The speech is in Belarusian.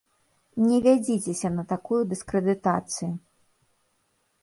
Не вядзіцеся на такую дыскрэдытацыю.